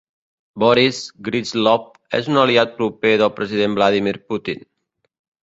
Boris Gryzlov és un aliat proper del president Vladimir Putin.